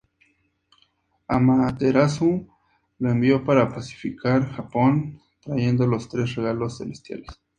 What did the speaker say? Amaterasu lo envió para pacificar Japón trayendo los tres regalos celestiales.